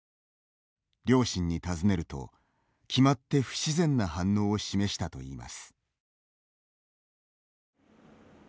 両親に尋ねると、決まって不自然な反応を示したといいます。